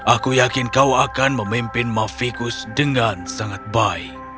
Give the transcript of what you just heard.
aku yakin kau akan memimpin mafikus dengan sangat baik